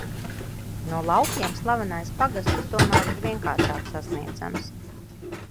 No laukiem slavenais pagasts tomēr ir vienkāršāk sasniedzams.